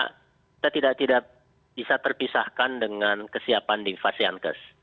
kita tidak tidak bisa terpisahkan dengan kesiapan di pasien kes